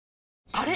あれ？